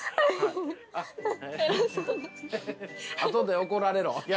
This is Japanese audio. あとで怒られろ。